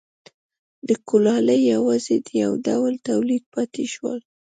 د کولالۍ یوازې یو ډول تولید پاتې شو